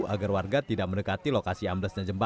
agar warga tidak mendekati lokasi amblesnya jembatan